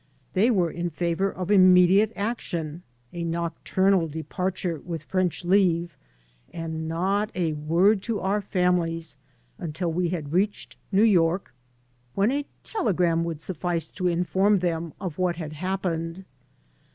They were in favor of immediate action, a nocturnal departure with French leave, and not a word to our families until we had reached New York, when a telegram would su£Sce to inform them of what had happened.